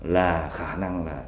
là khả năng là